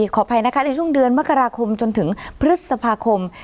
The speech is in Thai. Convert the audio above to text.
ขออภัยนะคะในช่วงเดือนมกราคมจนถึงพฤษภาคม